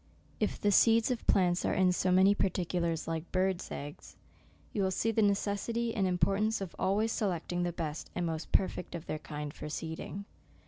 If the seeds of plants are in so many par ticulars like bird's eggs, you will see the ne cessity and importance of always selecting the best and most perfect of their kind for seeding.